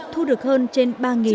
thu được hơn trên ba đồng